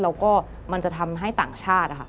แล้วก็มันจะทำให้ต่างชาติ